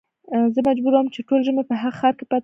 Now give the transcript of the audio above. زه مجبور وم چې ټول ژمی په هغه ښار کې پاته شم.